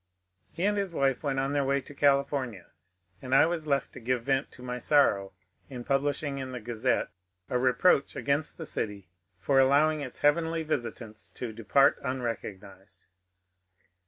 He and his wife went on their way to California, and I was left to give vent to my sorrow in publishing in the ^^ Gazette " a reproach against the city for allowing its heavenly visitants to depart unrecognized.